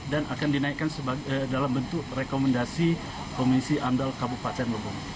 akan dinaikkan dalam bentuk rekomendasi komisi amdal kabupaten lebong